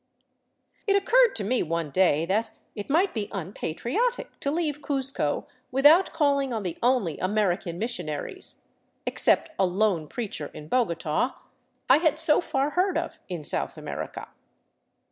It occurred to me one day that it might be unpatriotic to leave Cuzco without calling on the only American missionaries — except a lone preacher in Bogota — I had so far heard of in South America.